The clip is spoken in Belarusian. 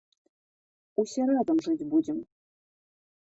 Усе разам жыць будзем!